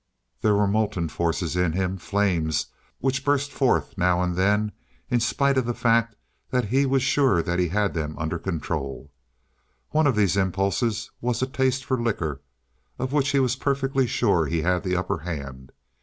There were molten forces in him, flames which burst forth now and then in spite of the fact that he was sure that he had them under control. One of these impulses was a taste for liquor, of which he was perfectly sure he had the upper hand.